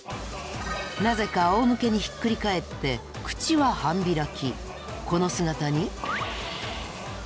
なぜかあおむけにひっくり返って口は半開き。